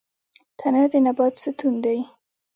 تنه د نبات ستون دی